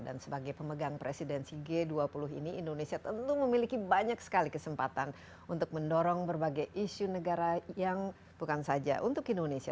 dan sebagai pemegang presidensi g dua puluh ini indonesia tentu memiliki banyak sekali kesempatan untuk mendorong berbagai isu negara yang bukan saja untuk indonesia